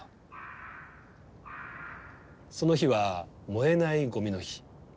その日は燃えないゴミの日。